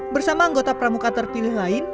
bersama anggota pramuka terpilih lain